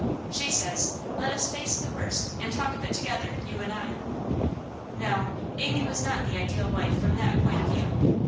She says: 'Let us face the worst and talk of it together, you and I.' No, Amy was not the ideal wife from that point of view.